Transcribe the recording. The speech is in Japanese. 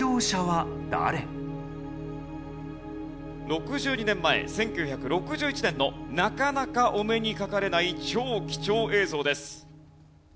６２年前１９６１年のなかなかお目にかかれない超貴重映像です。